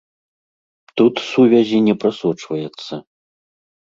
Тут сувязі не прасочваецца.